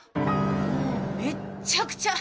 もうめっちゃくちゃ。